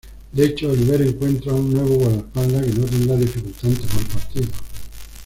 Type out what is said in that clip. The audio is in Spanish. De hecho, Oliver encuentra un nuevo guardaespaldas, que no tendrá dificultad en tomar partido.